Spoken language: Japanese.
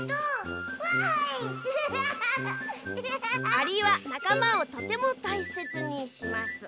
「アリはなかまをとてもたいせつにします」。